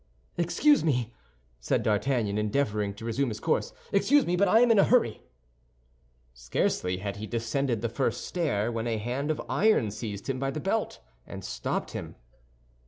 "Excuse me," said D'Artagnan, endeavoring to resume his course, "excuse me, but I am in a hurry." Scarcely had he descended the first stair, when a hand of iron seized him by the belt and stopped him.